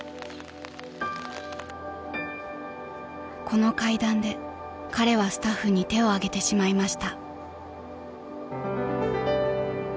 ［この階段で彼はスタッフに手を上げてしまいました］